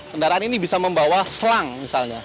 kendaraan ini bisa membawa selang misalnya